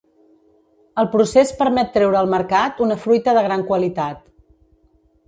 El procés permet treure al mercat una fruita de gran qualitat.